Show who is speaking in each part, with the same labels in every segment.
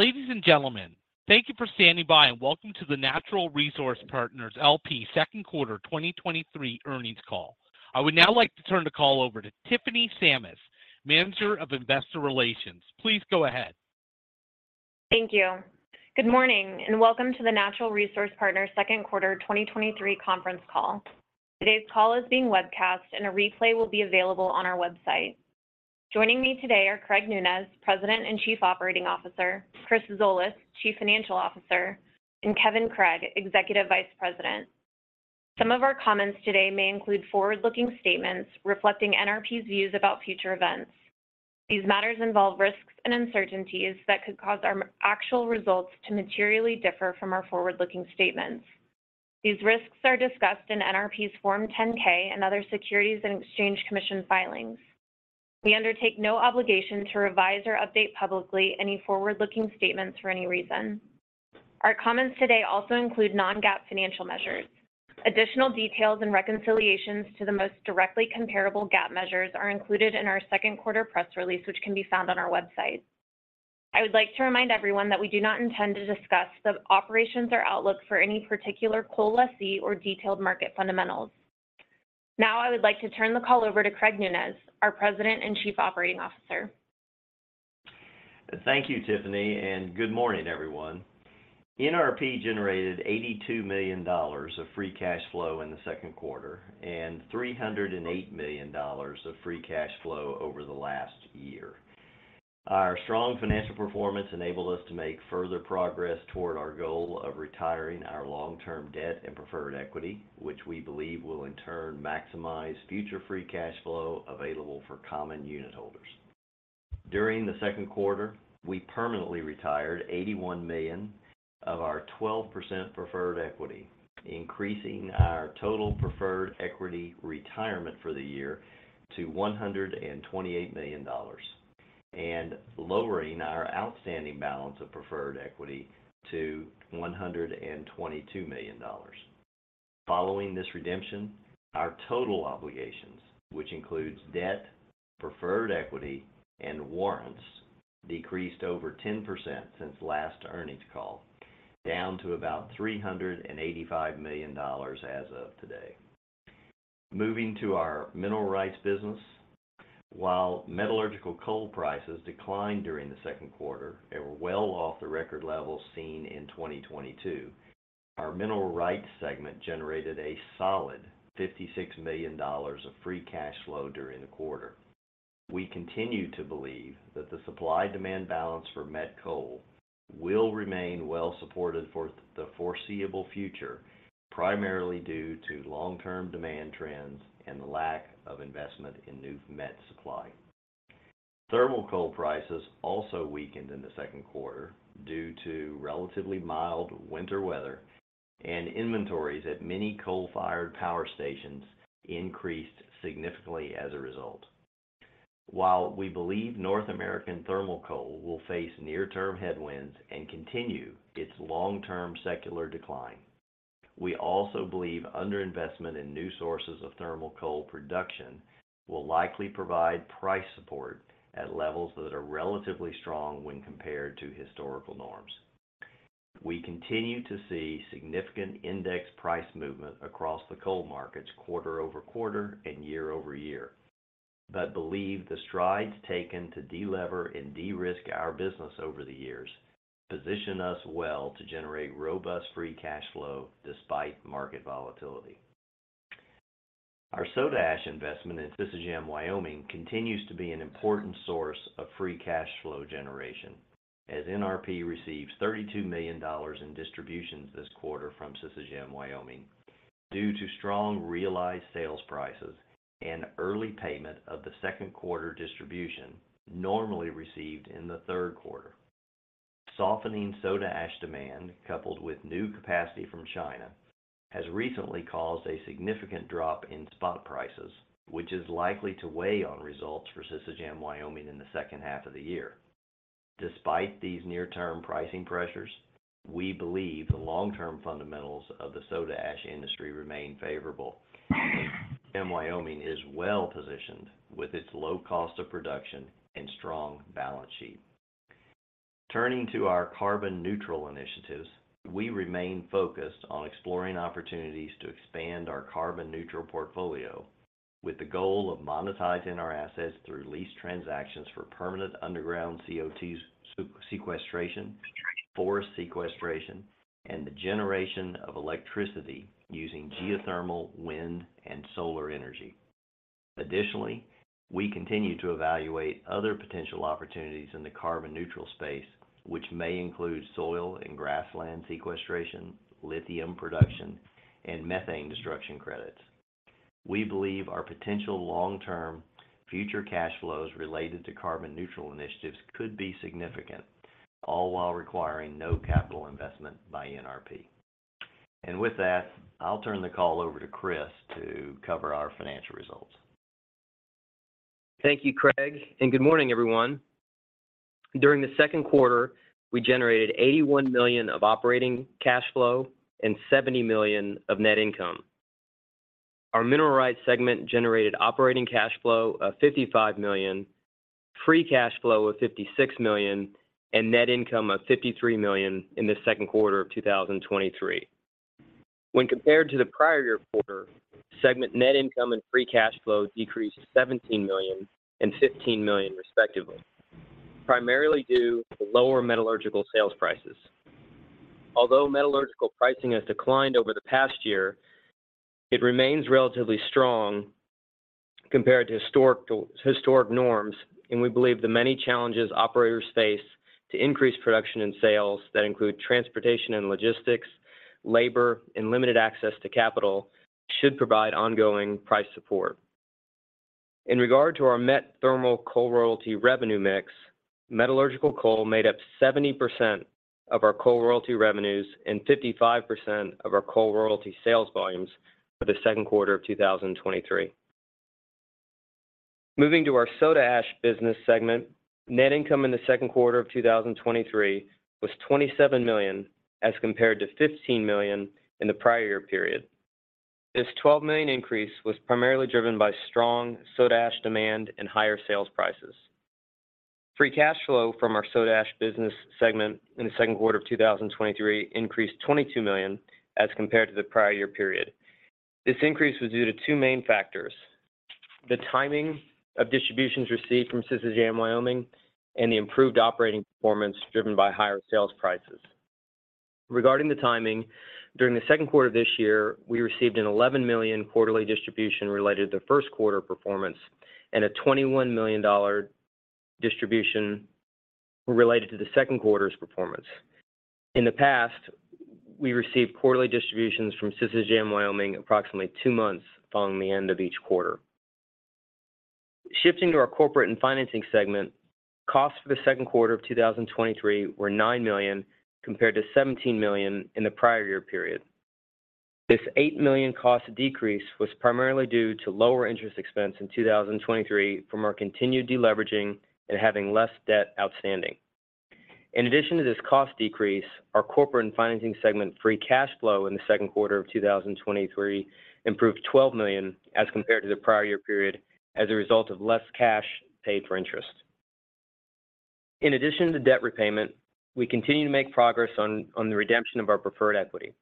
Speaker 1: Ladies and gentlemen, thank you for standing by and welcome to the Natural Resource Partners LP second quarter 2023 earnings call. I would now like to turn the call over to Tiffany Sammis, Manager of Investor Relations. Please go ahead.
Speaker 2: Thank you. Good morning, welcome to the Natural Resource Partners second quarter 2023 conference call. Today's call is being webcast, a replay will be available on our website. Joining me today are Craig Nunez, President and Chief Operating Officer, Chris Zolis, Chief Financial Officer, and Kevin Craig, Executive Vice President. Some of our comments today may include forward-looking statements reflecting NRP's views about future events. These matters involve risks and uncertainties that could cause our actual results to materially differ from our forward-looking statements. These risks are discussed in NRP's Form ten K and other Securities and Exchange Commission filings. We undertake no obligation to revise or update publicly any forward-looking statements for any reason. Our comments today also include non-GAAP financial measures. Additional details and reconciliations to the most directly comparable GAAP measures are included in our second quarter press release, which can be found on our website. I would like to remind everyone that we do not intend to discuss the operations or outlook for any particular coal lessee or detailed market fundamentals. I would like to turn the call over to Craig Nunez, our President and Chief Operating Officer.
Speaker 3: Thank you, Tiffany, and good morning, everyone. NRP generated $82 million of free cash flow in the second quarter, and $308 million of free cash flow over the last year. Our strong financial performance enabled us to make further progress toward our goal of retiring our long-term debt and preferred equity, which we believe will in turn maximize future free cash flow available for common unitholders. During the second quarter, we permanently retired $81 million of our 12% preferred equity, increasing our total preferred equity retirement for the year to $128 million and lowering our outstanding balance of preferred equity to $122 million. Following this redemption, our total obligations, which includes debt, preferred equity, and warrants, decreased over 10% since last earnings call, down to about $385 million as of today. Moving to our mineral rights business. While metallurgical coal prices declined during the second quarter and were well off the record levels seen in 2022, our mineral rights segment generated a solid $56 million of free cash flow during the quarter. We continue to believe that the supply-demand balance for met coal will remain well supported for the foreseeable future, primarily due to long-term demand trends and the lack of investment in new met supply. Thermal coal prices also weakened in the second quarter due to relatively mild winter weather, and inventories at many coal-fired power stations increased significantly as a result. While we believe North American thermal coal will face near-term headwinds and continue its long-term secular decline, we also believe underinvestment in new sources of thermal coal production will likely provide price support at levels that are relatively strong when compared to historical norms. We continue to see significant index price movement across the coal markets quarter-over-quarter and year-over-year, but believe the strides taken to de-lever and de-risk our business over the years position us well to generate robust free cash flow despite market volatility. Our soda ash investment in Sisecam Wyoming, continues to be an important source of free cash flow generation, as NRP receives $32 million in distributions this quarter from Sisecam Wyoming, due to strong realized sales prices and early payment of the second quarter distribution normally received in the third quarter. Softening soda ash demand, coupled with new capacity from China, has recently caused a significant drop in spot prices, which is likely to weigh on results for Sisecam Wyoming in the second half of the year. Despite these near-term pricing pressures, we believe the long-term fundamentals of the soda ash industry remain favorable, and Wyoming is well-positioned with its low cost of production and strong balance sheet. Turning to our carbon-neutral initiatives, we remain focused on exploring opportunities to expand our carbon-neutral portfolio, with the goal of monetizing our assets through lease transactions for permanent underground CO2 sequestration, forest sequestration, and the generation of electricity using geothermal, wind, and solar energy. Additionally, we continue to evaluate other potential opportunities in the carbon-neutral space, which may include soil and grassland sequestration, lithium production, and methane destruction credits. We believe our potential long-term future cash flows related to carbon-neutral initiatives could be significant, all while requiring no capital investment by NRP. With that, I'll turn the call over to Chris to cover our financial results.
Speaker 4: Thank you, Craig, and good morning, everyone. During the second quarter, we generated $81 million of operating cash flow and $70 million of net income. Our mineral rights segment generated operating cash flow of $55 million, free cash flow of $56 million, and net income of $53 million in the second quarter of 2023. When compared to the prior year quarter, segment net income and free cash flow decreased to $17 million and $15 million respectively, primarily due to lower metallurgical sales prices. Although metallurgical pricing has declined over the past year, it remains relatively strong compared to historic, historic norms. We believe the many challenges operators face to increase production and sales that include transportation and logistics, labor, and limited access to capital should provide ongoing price support. In regard to our met thermal coal royalty revenue mix, metallurgical coal made up 70% of our coal royalty revenues and 55% of our coal royalty sales volumes for the second quarter of 2023. Moving to our soda ash business segment, net income in the second quarter of 2023 was $27 million, as compared to $15 million in the prior year period. This $12 million increase was primarily driven by strong soda ash demand and higher sales prices. Free cash flow from our soda ash business segment in the second quarter of 2023 increased $22 million as compared to the prior year period. This increase was due to two main factors: the timing of distributions received from Sisecam Wyoming, and the improved operating performance driven by higher sales prices. Regarding the timing, during the second quarter of this year, we received an $11 million quarterly distribution related to the first quarter performance and a $21 million distribution related to the second quarter's performance. In the past, we received quarterly distributions from Sisecam Wyoming, approximately two months following the end of each quarter. Shifting to our corporate and financing segment, costs for the second quarter of 2023 were $9 million, compared to $17 million in the prior year period. This $8 million cost decrease was primarily due to lower interest expense in 2023 from our continued deleveraging and having less debt outstanding. In addition to this cost decrease, our corporate and financing segment free cash flow in the second quarter of 2023 improved $12 million as compared to the prior year period, as a result of less cash paid for interest. In addition to debt repayment, we continue to make progress on the redemption of our preferred equity.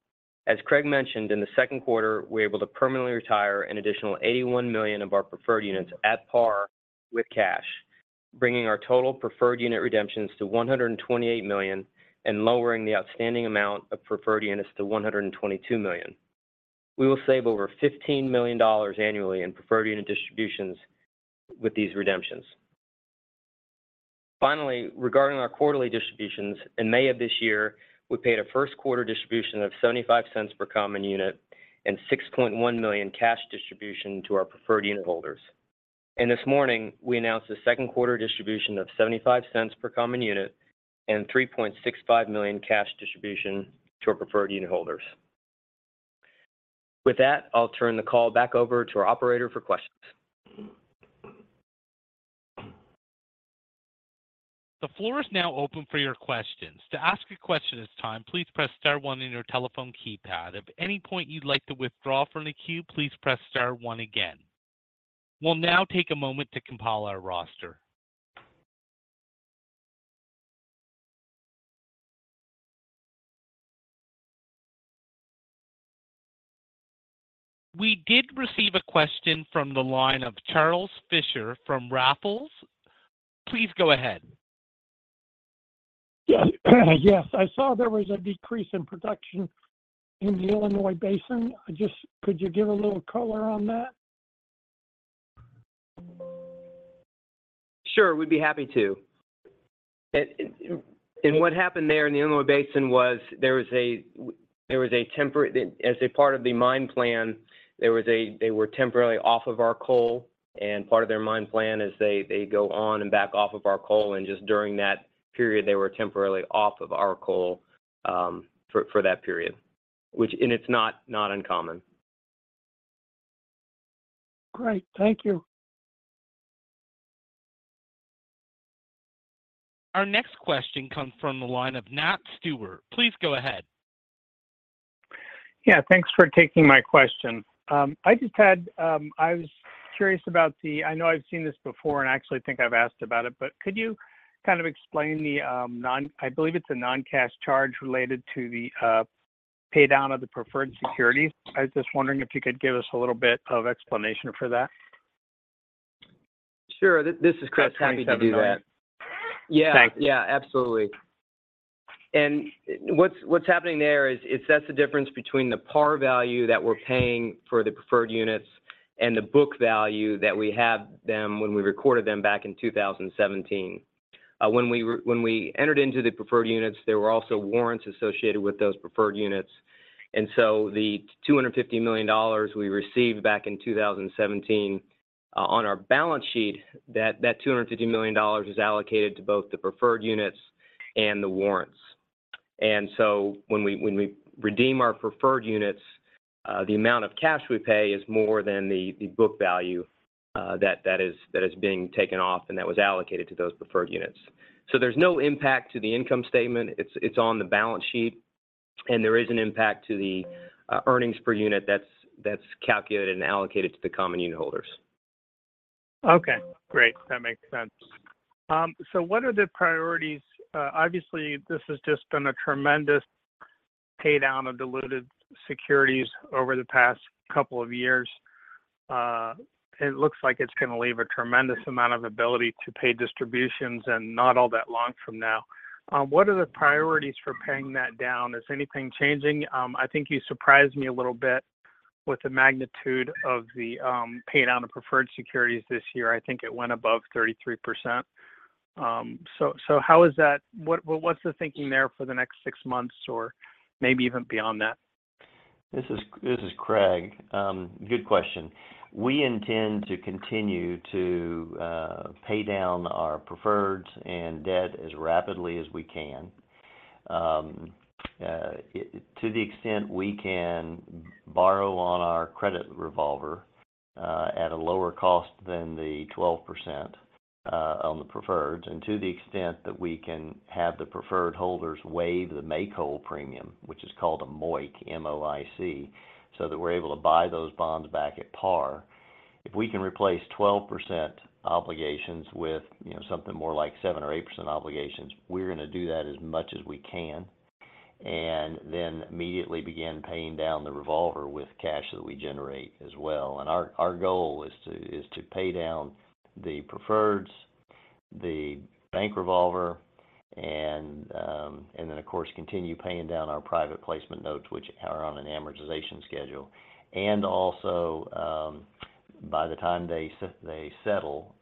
Speaker 4: As Craig mentioned, in the second quarter, we were able to permanently retire an additional $81 million of our preferred units at par with cash, bringing our total preferred unit redemptions to $128 million and lowering the outstanding amount of preferred units to $122 million. We will save over $15 million annually in preferred unit distributions with these redemptions. Finally, regarding our quarterly distributions, in May of this year, we paid a first quarter distribution of $0.75 per common unit and $6.1 million cash distribution to our preferred unit holders. This morning, we announced a second quarter distribution of $0.75 per common unit and $3.65 million cash distribution to our preferred unit holders. With that, I'll turn the call back over to our operator for questions.
Speaker 1: The floor is now open for your questions. To ask a question at this time, please press star one on your telephone keypad. At any point you'd like to withdraw from the queue, please press star one again. We'll now take a moment to compile our roster. We did receive a question from the line of Charles Fisher from Raffles. Please go ahead.
Speaker 5: Yes. Yes, I saw there was a decrease in production in the Illinois Basin. Just could you give a little color on that?
Speaker 4: Sure, we'd be happy to. What happened there in the Illinois Basin was there was a temporary. As a part of the mine plan, there was a they were temporarily off of our coal, and part of their mine plan is they, they go on and back off of our coal, and just during that period, they were temporarily off of our coal, for that period, which and it's not, not uncommon.
Speaker 5: Great. Thank you.
Speaker 1: Our next question comes from the line of Nat Stewart. Please go ahead.
Speaker 6: Yeah, thanks for taking my question. I just had... I was curious about the- I know I've seen this before, and I actually think I've asked about it, but could you kind of explain the non- I believe it's a non-cash charge related to the paydown of the preferred security? I was just wondering if you could give us a little bit of explanation for that.
Speaker 4: Sure. This is Chris, happy to do that.
Speaker 6: Yeah. Thank you.
Speaker 4: Yeah, absolutely. What's, what's happening there is, is that's the difference between the par value that we're paying for the preferred units and the book value that we had them when we recorded them back in 2017. When we entered into the preferred units, there were also warrants associated with those preferred units. The $250 million we received back in 2017, on our balance sheet, that, that $250 million is allocated to both the preferred units and the warrants. When we, when we redeem our preferred units, the amount of cash we pay is more than the, the book value, that, that is, that is being taken off and that was allocated to those preferred units. There's no impact to the income statement. It's, it's on the balance sheet, and there is an impact to the earnings per unit that's, that's calculated and allocated to the common unitholders.
Speaker 6: Okay, great. That makes sense. What are the priorities? Obviously, this has just been a tremendous paydown of diluted securities over the past couple of years. It looks like it's gonna leave a tremendous amount of ability to pay distributions, and not all that long from now. What are the priorities for paying that down? Is anything changing? I think you surprised me a little bit with the magnitude of the paydown of preferred securities this year. I think it went above 33%. What, what's the thinking there for the next six months or maybe even beyond that?
Speaker 3: This is, this is Craig. Good question. We intend to continue to pay down our preferreds and debt as rapidly as we can. To the extent we can borrow on our credit revolver at a lower cost than the 12% on the preferreds, and to the extent that we can have the preferred holders waive the make-whole premium, which is called a MOIC, M-O-I-C, so that we're able to buy those bonds back at par. If we can replace 12% obligations with, you know, something more like 7% or 8% obligations, we're gonna do that as much as we can, and then immediately begin paying down the revolver with cash that we generate as well. Our, our goal is to, is to pay down the preferreds, the bank revolver, and then, of course, continue paying down our private placement notes, which are on an amortization schedule. Also, by the time they settle,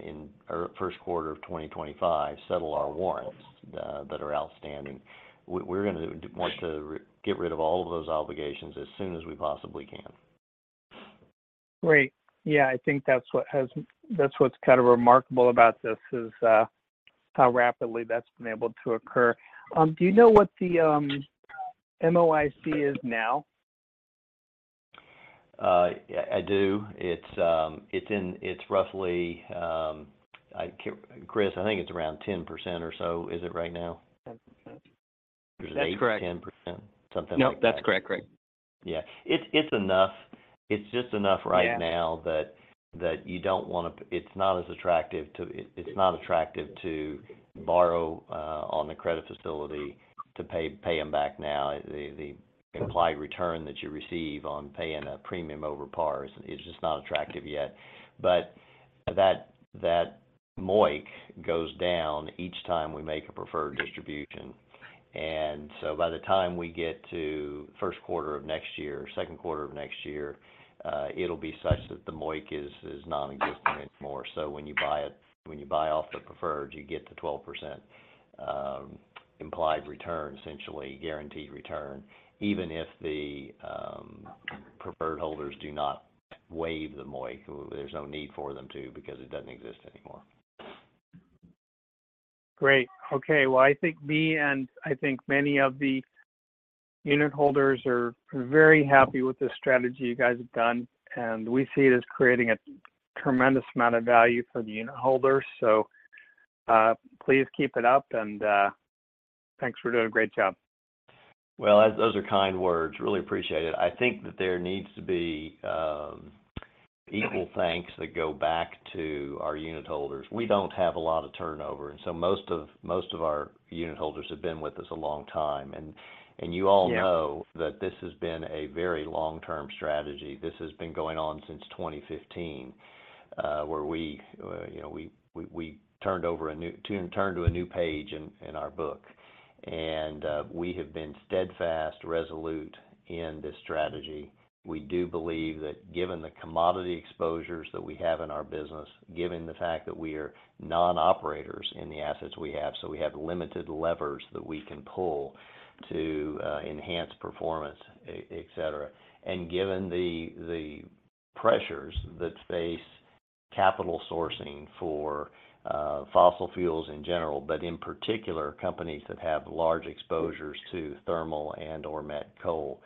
Speaker 3: in or first quarter of 2025, settle our warrants that are outstanding. We, we're gonna want to get rid of all of those obligations as soon as we possibly can.
Speaker 6: Great. Yeah, I think that's what's kind of remarkable about this, is, how rapidly that's been able to occur. Do you know what the MOIC is now?
Speaker 3: Yeah, I do. It's, it's in, it's roughly, Chris, I think it's around 10% or so, is it right now?
Speaker 4: 10%.
Speaker 3: There's 8% or 10%, something like that.
Speaker 4: No, that's correct, Craig.
Speaker 3: Yeah. It's, it's enough. It's just enough right now-
Speaker 4: Yeah...
Speaker 3: that, that you don't wanna, it's not as attractive to, it, it's not attractive to borrow on the credit facility to pay, pay them back now. The, the implied return that you receive on paying a premium over par is, is just not attractive yet. That, that MOIC goes down each time we make a preferred distribution. So by the time we get to first quarter of next year, second quarter of next year, it'll be such that the MOIC is, is nonexistent anymore. So when you buy it, when you buy off the preferred, you get the 12%, implied return, essentially guaranteed return, even if the preferred holders do not waive the MOIC. There's no need for them to, because it doesn't exist anymore.
Speaker 6: Great. Okay, well, I think me and I think many of the unitholders are, are very happy with the strategy you guys have done, and we see it as creating a tremendous amount of value for the unitholders. Please keep it up, and, thanks for doing a great job.
Speaker 3: Well, those are kind words. Really appreciate it. I think that there needs to be equal thanks that go back to our unitholders. We don't have a lot of turnover, and so most of, most of our unitholders have been with us a long time. And you all know.
Speaker 6: Yeah
Speaker 3: that this has been a very long-term strategy. This has been going on since 2015, where we, you know, we, we, we turned over a new, turned to a new page in, in our book. We have been steadfast, resolute in this strategy. We do believe that given the commodity exposures that we have in our business, given the fact that we are non-operators in the assets we have, so we have limited levers that we can pull to enhance performance, et, et cetera. Given the, the pressures that face capital sourcing for fossil fuels in general, but in particular, companies that have large exposures to thermal and/or met coal,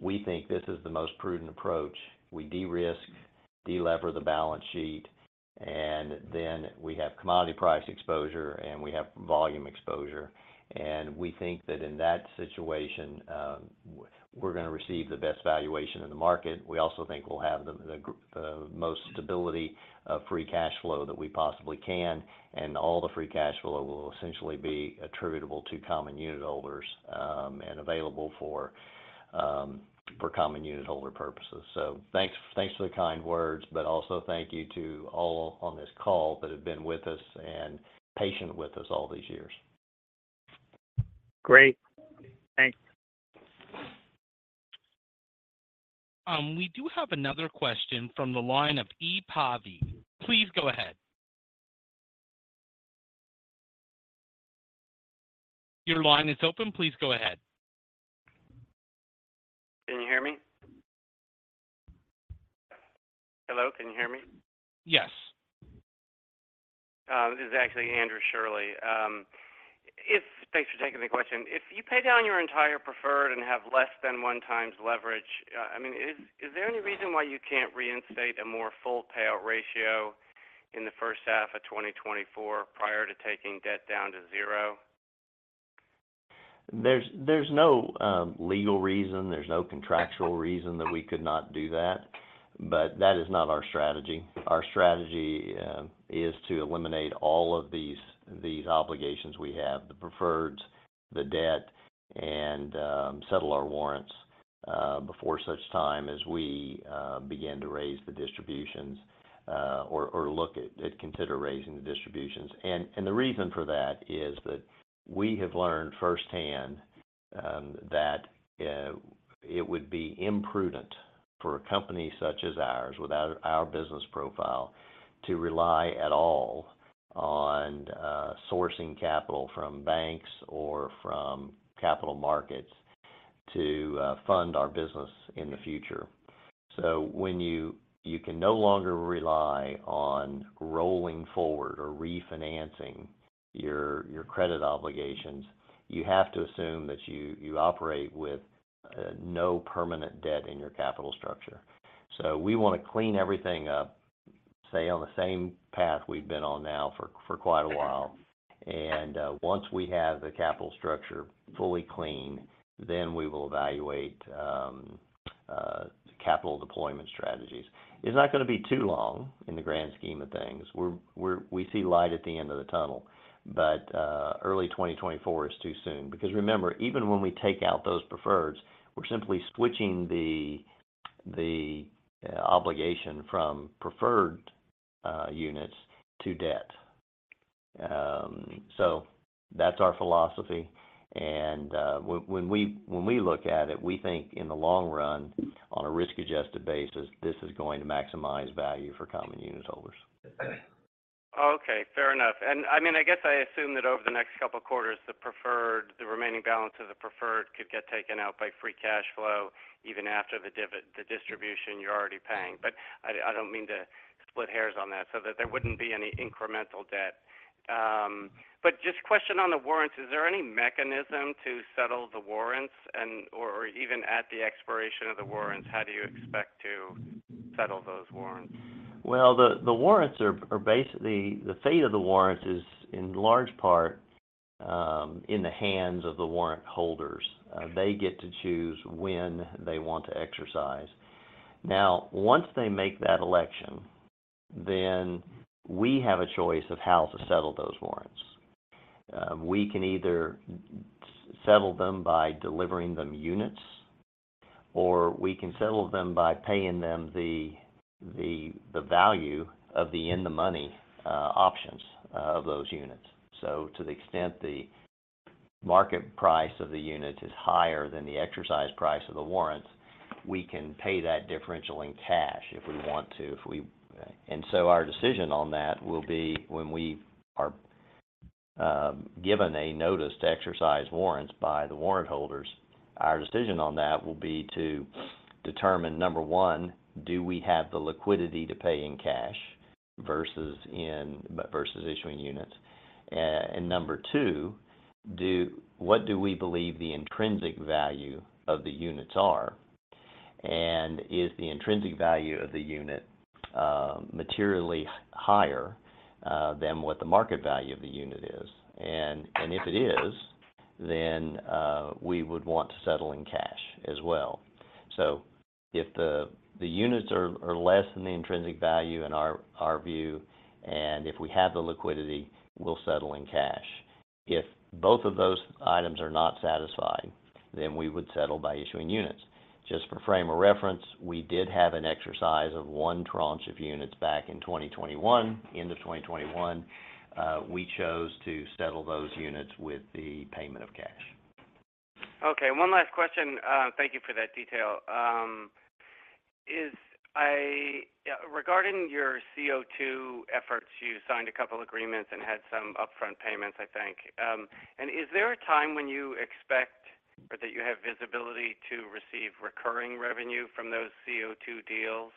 Speaker 3: we think this is the most prudent approach. We de-risk, de-lever the balance sheet, and then we have commodity price exposure, and we have volume exposure, and we think that in that situation, we're gonna receive the best valuation in the market. We also think we'll have the most stability of free cash flow that we possibly can, and all the free cash flow will essentially be attributable to common unitholders, and available for, for common unitholder purposes. Thanks, thanks for the kind words, but also thank you to all on this call that have been with us and patient with us all these years.
Speaker 6: Great. Thanks.
Speaker 1: We do have another question from the line of E. Pavi. Please go ahead. Your line is open, please go ahead.
Speaker 7: Can you hear me? Hello, can you hear me?
Speaker 1: Yes.
Speaker 7: This is actually Andrew Shirley. Thanks for taking the question. If you pay down your entire preferred and have less than 1x leverage, I mean, is there any reason why you can't reinstate a more full payout ratio in the first half of 2024 prior to taking debt down to zero?
Speaker 3: There's, there's no legal reason, there's no contractual reason that we could not do that, but that is not our strategy. Our strategy is to eliminate all of these, these obligations we have, the preferreds, the debt, and settle our warrants, before such time as we begin to raise the distributions, or, or look at, at consider raising the distributions. The reason for that is that we have learned firsthand that it would be imprudent for a company such as ours, with our, our business profile, to rely at all on sourcing capital from banks or from capital markets to fund our business in the future. When you, you can no longer rely on rolling forward or refinancing your, your credit obligations, you have to assume that you, you operate with no permanent debt in your capital structure. We wanna clean everything up, stay on the same path we've been on now for, for quite a while, and once we have the capital structure fully clean, then we will evaluate capital deployment strategies. It's not gonna be too long in the grand scheme of things. We see light at the end of the tunnel, but early 2024 is too soon. Remember, even when we take out those preferreds, we're simply switching the, the obligation from preferred units to debt. So that's our philosophy, and when we, when we look at it, we think in the long run, on a risk-adjusted basis, this is going to maximize value for common unit holders.
Speaker 7: Okay, fair enough. I mean, I guess I assume that over the next couple of quarters, the preferred, the remaining balance of the preferred could get taken out by free cash flow, even after the distribution you're already paying. I don't mean to split hairs on that, so that there wouldn't be any incremental debt. Just a question on the warrants. Is there any mechanism to settle the warrants, or even at the expiration of the warrants, how do you expect to settle those warrants?
Speaker 3: The warrants are, are basically, the fate of the warrants is, in large part, in the hands of the warrant holders. They get to choose when they want to exercise. Once they make that election, we have a choice of how to settle those warrants. We can either settle them by delivering them units, or we can settle them by paying them the value of the in-the-money options of those units. To the extent the market price of the unit is higher than the exercise price of the warrants, we can pay that differential in cash if we want to, if we... Our decision on that will be when we are given a notice to exercise warrants by the warrant holders, our decision on that will be to determine, number one, do we have the liquidity to pay in cash versus issuing units? Number two, what do we believe the intrinsic value of the units are? Is the intrinsic value of the unit materially higher than what the market value of the unit is? If it is, then we would want to settle in cash as well. If the units are less than the intrinsic value in our view, and if we have the liquidity, we'll settle in cash. If both of those items are not satisfied, then we would settle by issuing units. Just for frame of reference, we did have an exercise of one tranche of units back in 2021. End of 2021, we chose to settle those units with the payment of cash.
Speaker 7: Okay, one last question. Thank you for that detail. Regarding your CO2 efforts, you signed a couple agreements and had some upfront payments, I think. Is there a time when you expect or that you have visibility to receive recurring revenue from those CO2 deals?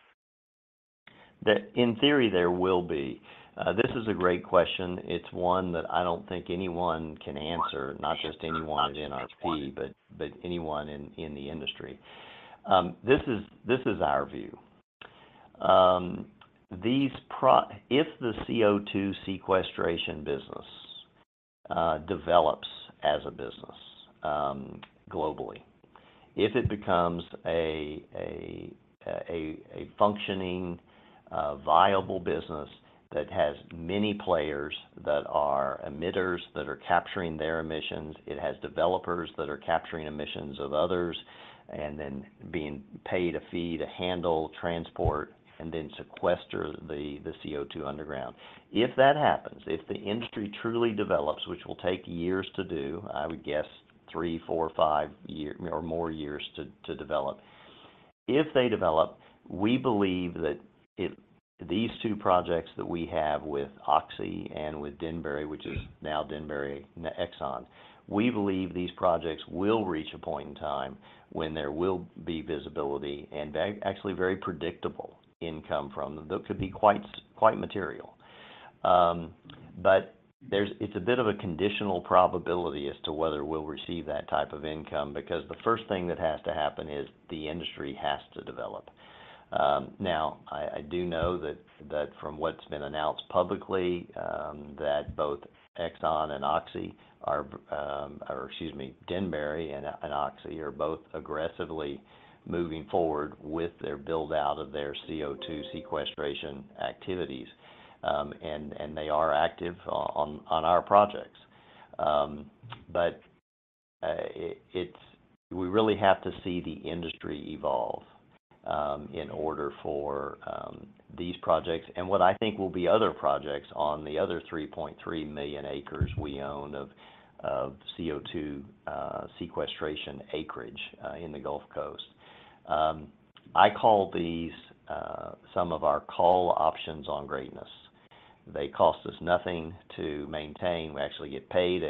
Speaker 3: That in theory, there will be. This is a great question. It's one that I don't think anyone can answer, not just anyone at NRP, but, but anyone in, in the industry. This is, this is our view. If the CO2 sequestration business develops as a business, globally, if it becomes a, a, a, a functioning, viable business that has many players that are emitters, that are capturing their emissions, it has developers that are capturing emissions of others, and then being paid a fee to handle, transport, and then sequester the CO2 underground. If that happens, if the industry truly develops, which will take years to do, I would guess three, four, five year, or more years to, to develop. If they develop, we believe that if these two projects that we have with Oxy and with Denbury, which is now Denbury Exxon, we believe these projects will reach a point in time when there will be visibility, and actually, very predictable income from them. Those could be quite material. There's it's a bit of a conditional probability as to whether we'll receive that type of income, because the first thing that has to happen is the industry has to develop. Now, I, I do know that, that from what's been announced publicly, that both Exxon and Oxy are, or excuse me, Denbury and, and Oxy are both aggressively moving forward with their build-out of their CO2 sequestration activities. They are active on, on our projects. We really have to see the industry evolve in order for these projects, and what I think will be other projects on the other 3.3 million acres we own of CO2 sequestration acreage in the Gulf Coast. I call these some of our call options on greatness. They cost us nothing to maintain. We actually get paid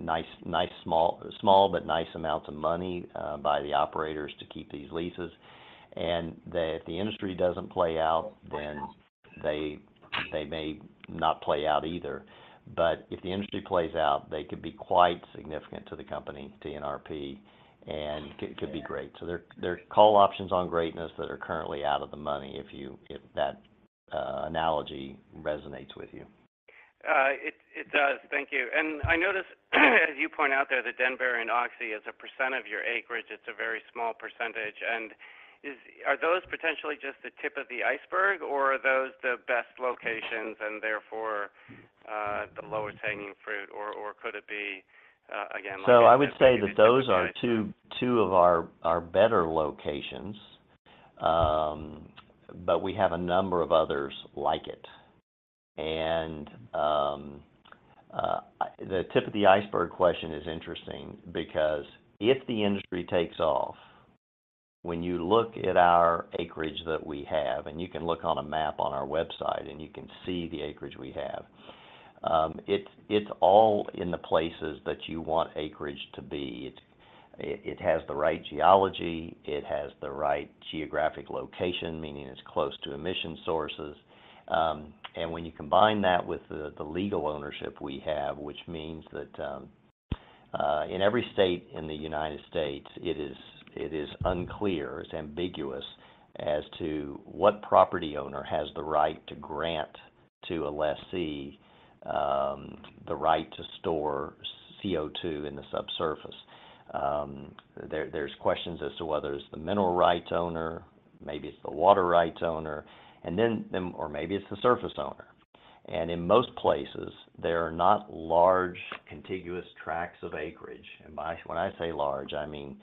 Speaker 3: nice, nice, small, small, but nice amounts of money by the operators to keep these leases. If the industry doesn't play out, then they, they may not play out either. If the industry plays out, they could be quite significant to the company, TNRP, and it, it could be great. They're, they're call options on greatness that are currently out of the money, if that analogy resonates with you.
Speaker 7: it, it does. Thank you. I noticed, as you point out there, that Denbury and Oxy, as a percent of your acreage, it's a very small percentage. Is-- are those potentially just the tip of the iceberg, or are those the best locations, and therefore, the lowest hanging fruit? Or could it be, again, like-
Speaker 3: I would say that those are two, two of our, our better locations. But we have a number of others like it. The tip of the iceberg question is interesting because if the industry takes off, when you look at our acreage that we have, and you can look on a map on our website, and you can see the acreage we have, it's, it's all in the places that you want acreage to be. It, it, it has the right geology, it has the right geographic location, meaning it's close to emission sources. When you combine that with the, the legal ownership we have, which means that, in every state in the United States, it is, it is unclear, it's ambiguous as to what property owner has the right to grant to a lessee, the right to store CO2 in the subsurface. There, there's questions as to whether it's the mineral rights owner, maybe it's the water rights owner, then or maybe it's the surface owner. In most places, there are not large, contiguous tracts of acreage. When I say large, I mean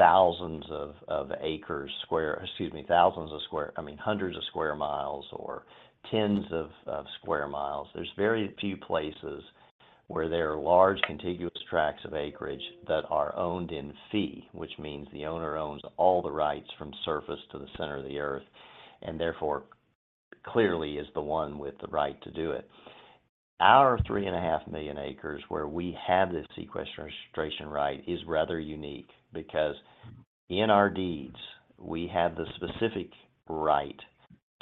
Speaker 3: thousands of acres square. Excuse me, thousands of square- I mean, hundreds of square miles or tens of square miles. There's very few places where there are large, contiguous tracts of acreage that are owned in fee, which means the owner owns all the rights from surface to the center of the Earth, and therefore, clearly is the one with the right to do it. Our 3.5 million acres, where we have this sequestration right, is rather unique because in our deeds, we have the specific right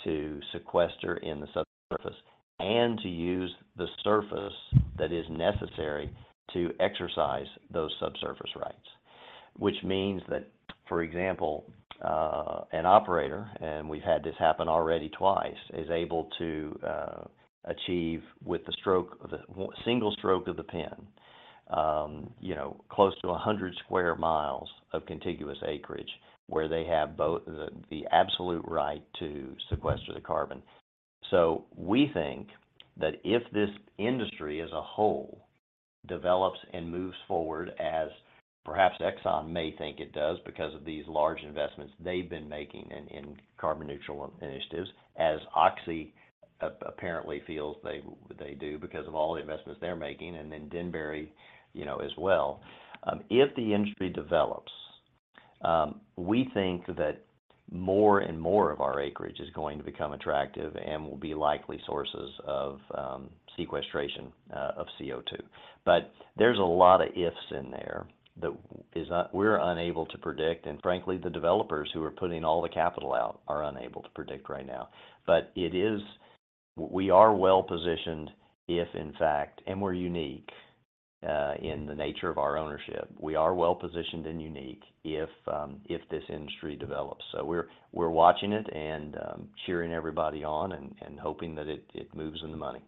Speaker 3: to sequester in the subsurface and to use the surface that is necessary to exercise those subsurface rights. Which means that, for example, an operator, and we've had this happen already twice, is able to achieve with the stroke of a single stroke of the pen, you know, close to 100 sq mi of contiguous acreage where they have both the, the absolute right to sequester the carbon. We think that if this industry as a whole develops and moves forward, as perhaps Exxon may think it does, because of these large investments they've been making in, in carbon-neutral initiatives, as Oxy apparently feels they, they do because of all the investments they're making, and then Denbury, you know, as well. If the industry develops, we think that more and more of our acreage is going to become attractive and will be likely sources of sequestration of CO2. There's a lot of ifs in there that is we're unable to predict, and frankly, the developers who are putting all the capital out are unable to predict right now. It is. We are well-positioned if, in fact, and we're unique, in the nature of our ownership, we are well-positioned and unique, if, if this industry develops. We're, we're watching it and, cheering everybody on and, and hoping that it, it moves in the money.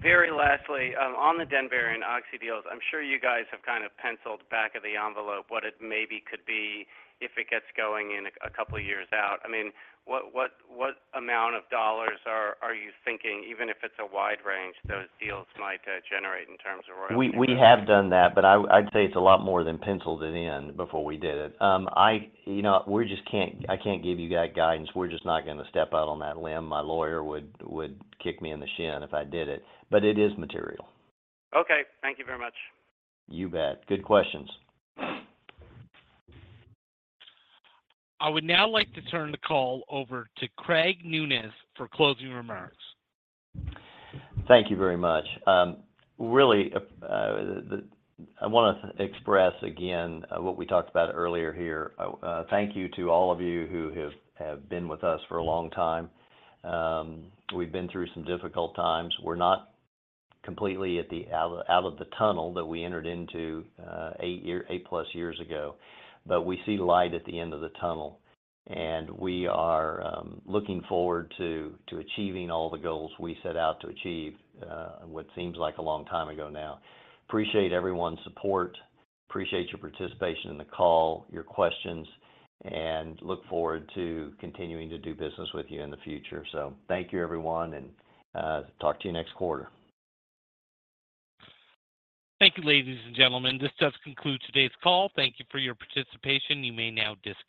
Speaker 7: Very lastly, on the Denbury and Oxy deals, I'm sure you guys have kind of penciled back of the envelope what it maybe could be if it gets going in a couple of years out. I mean, what, what, what amount of dollars are, are you thinking, even if it's a wide range, those deals might generate in terms of royalties?
Speaker 3: We, we have done that, but I, I'd say it's a lot more than penciled it in before we did it. I, you know, we just can't I can't give you that guidance. We're just not gonna step out on that limb. My lawyer would, would kick me in the shin if I did it, but it is material.
Speaker 7: Okay. Thank you very much.
Speaker 3: You bet. Good questions.
Speaker 1: I would now like to turn the call over to Craig Nunez for closing remarks.
Speaker 3: Thank you very much. Really, I wanna express again, what we talked about earlier here. Thank you to all of you who have been with us for a long time. We've been through some difficult times. We're not completely at the out of the tunnel that we entered into eight year, eight-plus years ago, but we see light at the end of the tunnel, and we are looking forward to achieving all the goals we set out to achieve what seems like a long time ago now. Appreciate everyone's support, appreciate your participation in the call, your questions, and look forward to continuing to do business with you in the future. Thank you, everyone, and talk to you next quarter.
Speaker 1: Thank you, ladies and gentlemen. This does conclude today's call. Thank you for your participation. You may now disconnect.